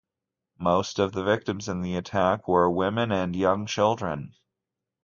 Most of the victims in the attack were women and young children.